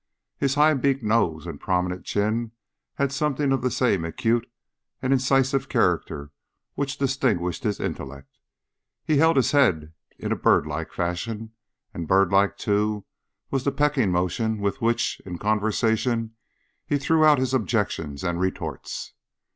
His high beaked nose and prominent chin had something of the same acute and incisive character which distinguished his intellect. He held his head in a birdlike fashion, and birdlike, too, was the pecking motion with which, in conversation, he threw out his objections and retorts.